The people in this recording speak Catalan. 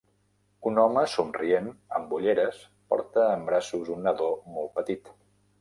Un home somrient amb ulleres porta en braços un nadó molt petit.